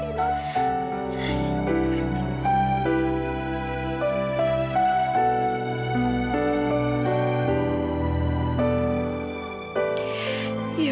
terima kasih nona